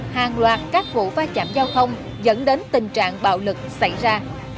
hàng loạt các vụ va chạm giao thông dẫn đến tình trạng bạo lực xảy ra